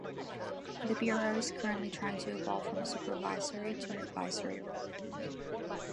The Bureau is currently trying to evolve from a supervisory to an advisory role.